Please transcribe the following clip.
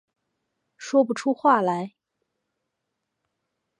说不出话来